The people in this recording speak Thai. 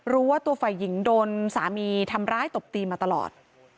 รู้ว่าตัวฝ่ายหญิงโดนสามีทำร้ายตบตีมาตลอด